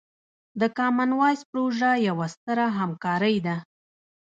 د کامن وایس پروژه یوه ستره همکارۍ ده.